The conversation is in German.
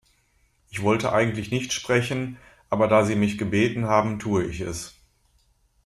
Ich wollte eigentlich nicht sprechen, aber da Sie mich gebeten haben, tue ich es.